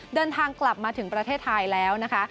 เดินทางกลับมาถึงประเทศไทยแล้วนะคะ